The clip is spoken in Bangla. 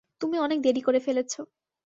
তুমি অনেক দেরি করে ফেলেছ।